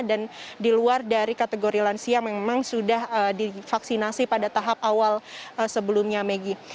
dan di luar dari kategori lansia memang sudah divaksinasi pada tahap awal sebelumnya maggie